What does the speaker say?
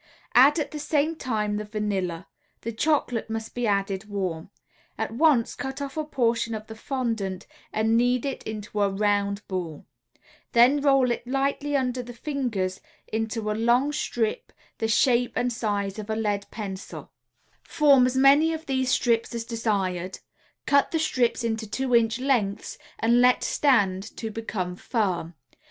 Add at the same time the vanilla. The chocolate must be added warm. At once cut off a portion of the fondant and knead it into a round ball; then roll it lightly under the fingers into a long strip the shape and size of a lead pencil; form as many of these strips as desired; cut the strips into two inch lengths and let stand to become firm.